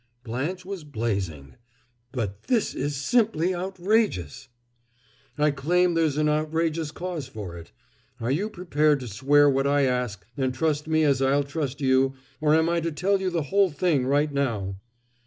Blanche was blazing. "But this is simply outrageous " "I claim there's an outrageous cause for it. Are you prepared to swear what I ask, and trust me as I'll trust you, or am I to tell you the whole thing right now?"